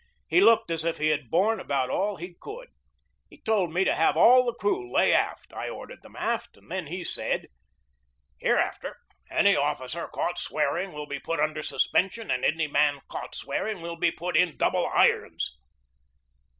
He looked as if he had borne about all he could. He told me to have all the crew lay aft. I ordered them aft. Then he said: "Hereafter, any officer caught swearing will be BEGINNING OF THE CIVIL WAR 53 put under suspension, and any man caught swearing will be put in double irons."